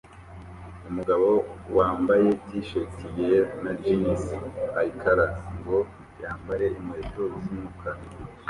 Umugabo wambaye t-shati yera na jeans aricara ngo yambare inkweto z'umukara